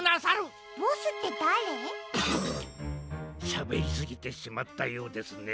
しゃべりすぎてしまったようですね。